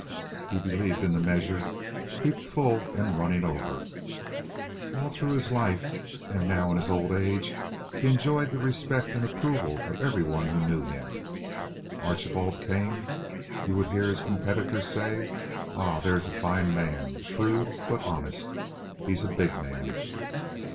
He believed in the measure "heaped full and running over." All through his life and now in his old age he enjoyed the respect and approval of every one who knew him. "Archibald Kane," you would hear his competitors say, "Ah, there is a fine man. Shrewd, but honest. He's a big man."